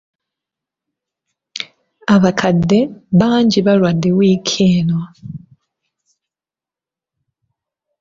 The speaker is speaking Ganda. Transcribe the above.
Abakadde bangi balwadde wiiki eno.